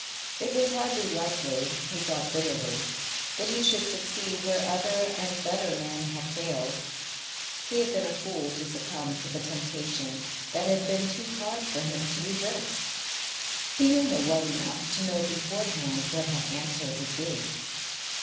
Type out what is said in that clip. It was hardly likely, he thought bitterly, that he should succeed where other and better men had failed. He had been a fool to succumb to the temptation that had been too hard for him to resist. He knew her well enough to know beforehand what her answer would be.